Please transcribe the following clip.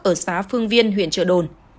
ở xá phương viên huyện trợ đồn